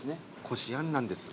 こしあんなんです。